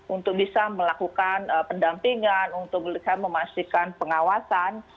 untuk bisa melakukan pendampingan untuk bisa memastikan pengawasan